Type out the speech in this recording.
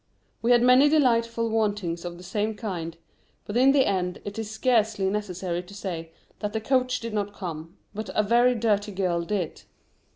We had many delightful vauntings of the same kind; but in the end it is scarcely necessary to say that the coach did not come, but a very dirty girl did.